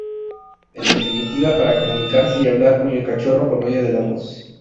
En definitiva, para comunicarse y hablar con el cachorro por medio de la voz.